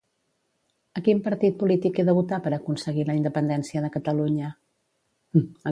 A quin partit polític he de votar per aconseguir la independència de Catalunya?